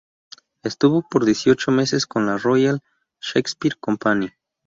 Estuvo por dieciocho meses con la Royal Shakespeare Company.